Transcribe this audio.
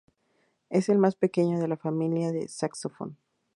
Es el más pequeño de la familia del saxofón.